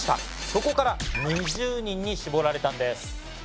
そこから２０人に絞られたんです。